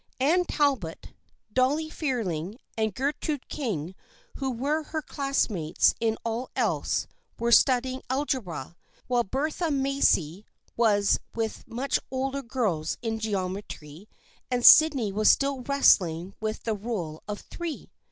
Anne Talbot, Dolly Fearing and Gertrude King who were her class mates in all else, were studying algebra, while Bertha Macy was with much older girls in geom etry, and Sydney was still wrestling with the Rule of Three